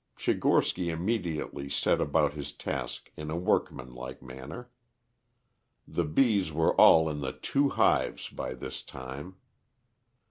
Tchigorsky immediately set about his task in a workmanlike manner. The bees were all in the two hives by this time.